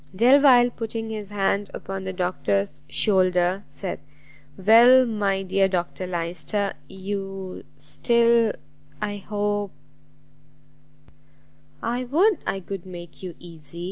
Delvile, putting his hand upon the Doctor's shoulder, said, "Well, my dear Dr Lyster, you, still, I hope" "I would I could make you easy!"